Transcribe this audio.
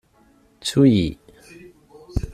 Ttu-iyi.